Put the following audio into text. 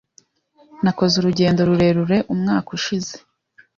Nakoze urugendo rurerure umwaka ushize.